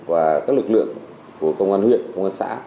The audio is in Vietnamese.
và các lực lượng của công an huyện công an xã